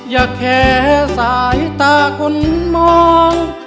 อย่าแค่สายตาคนมอง